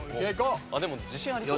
でも自信ありそう。